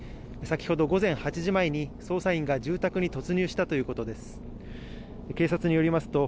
先ほど午前８時前に、捜査員が住宅に突入したということです。